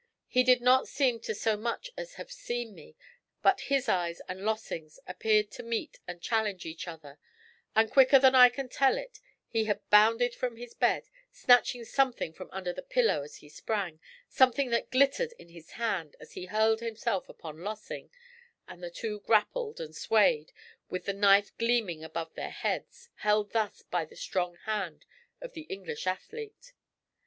He did not seem to so much as have seen me, but his eyes and Lossing's appeared to meet and challenge each other, and quicker than I can tell it he had bounded from his bed, snatching something from under the pillow as he sprang something that glittered in his hand as he hurled himself upon Lossing, and the two grappled and swayed, with the knife gleaming above their heads, held thus by the strong hand of the English athlete.